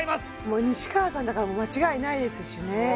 もう西川さんだから間違いないですしね